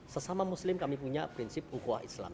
sesama muslim kami punya prinsip ukuah islam